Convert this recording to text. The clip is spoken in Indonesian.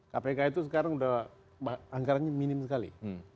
kpk itu sekarang sudah anggarannya minim sekali